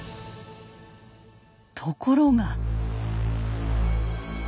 ところが。